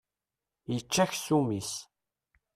Yečča aksum-is.